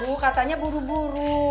aduh katanya buru buru